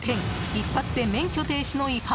一発で免許停止の違反。